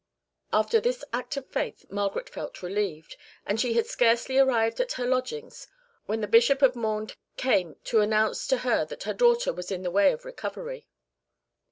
After this act of faith Margaret felt relieved, and she had scarcely arrived at her lodgings when the Bishop of Mende came to announce to her that her daughter was in the way of recovery."